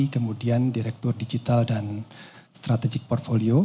kemudian direktur digital dan strategik portfolio